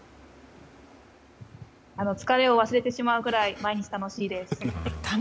疲れを忘れてしまうぐらい毎日、楽しいです。